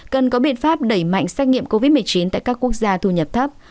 cần có biện pháp đẩy mạnh xét nghiệm covid một mươi chín tại các quốc gia thu nhập thấp